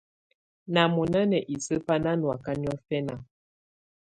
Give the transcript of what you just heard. Nà mɔ̀nà ná isǝ́ bá ná nɔ̀áka niɔ̀fɛna.